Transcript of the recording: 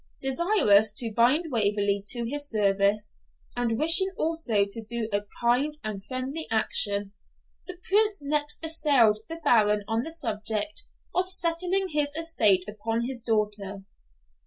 Desirous to bind Waverley to his service, and wishing also to do a kind and friendly action, the Prince next assailed the Baron on the subject of settling his estate upon his daughter.